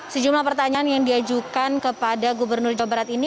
sejumlah pertanyaan yang diajukan kepada gubernur jawa barat ini